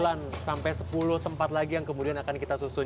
sembilan sampai sepuluh tempat lagi yang kemudian akan kita susun